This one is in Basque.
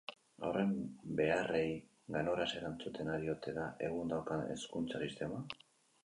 Haurren beharrei ganoraz erantzuten ari ote da egun daukagun hezkuntza sistema?